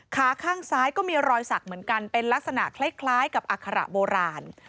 ขาข้างซ้ายก็มีรอยสักเหมือนกันเป็นลักษณะคล้ายกับอัคระโบราณ